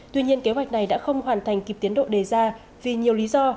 tuy nhiên kế hoạch này đã không hoàn thành kịp tiến độ đề ra vì nhiều lý do